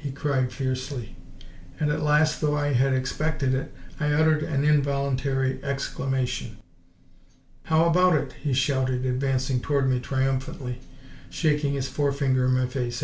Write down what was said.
he cried fiercely, and at last, though I had expected it, I uttered an involuntary exclamation. "How about it?" he shouted, advancing toward me triumphantly, shaking his forefinger in my face.